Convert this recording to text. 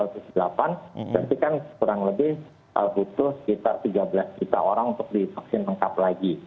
berarti kan kurang lebih butuh sekitar tiga belas juta orang untuk divaksin lengkap lagi